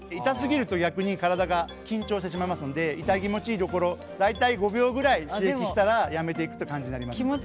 痛すぎると逆に体が緊張してしまいますので痛気持ちいいところ大体５秒ぐらい刺激したらやめていくっていう感じになります。